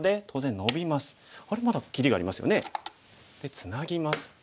ツナぎます。